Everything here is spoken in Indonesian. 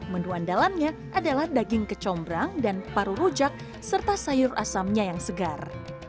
menu andalannya adalah daging kecombrang dan paru rujak serta sayur asamnya yang segar